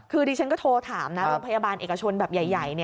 คือดิฉันก็โทรถามนะโรงพยาบาลเอกชนแบบใหญ่